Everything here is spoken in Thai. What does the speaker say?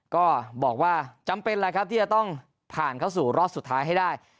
ก็บอกว่าจำเป็นแหละครับที่จะต้องผ่านเข้าสู่รอบสุดท้ายให้ได้